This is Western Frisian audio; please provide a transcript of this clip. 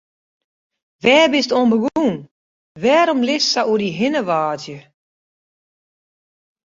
Wêr bist oan begûn, wêrom litst sa oer dy hinne wâdzje?